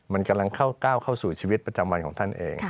มันกำลังก้าวเข้าสู่ชีวิตประจำวันของท่านเอง